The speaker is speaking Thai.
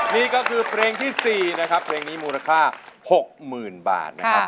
นี่ก็คือเพลงที่๔นะครับเพลงนี้มูลค่า๖๐๐๐บาทนะครับ